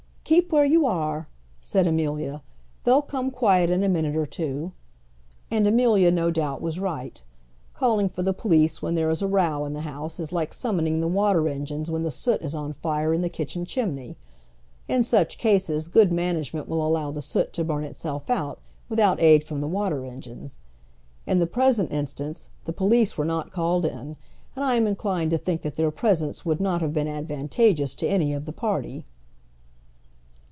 "Keep where you are," said Amelia. "They'll come quiet in a minute or two." And Amelia no doubt was right. Calling for the police when there is a row in the house is like summoning the water engines when the soot is on fire in the kitchen chimney. In such cases good management will allow the soot to burn itself out, without aid from the water engines. In the present instance the police were not called in, and I am inclined to think that their presence would not have been advantageous to any of the party.